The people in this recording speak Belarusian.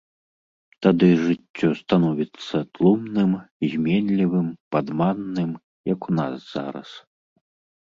Тады жыццё становіцца тлумным, зменлівым, падманным, як у нас зараз.